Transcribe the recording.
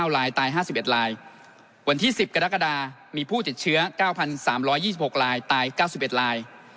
ลายตาย๕๑ลายวันที่๑๐กรกฎามีผู้ติดเชื้อ๙๓๒๖ลายตาย๙๑ลาย